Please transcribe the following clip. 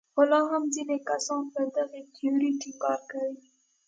خو لا هم ځینې کسان پر دغې تیورۍ ټینګار کوي.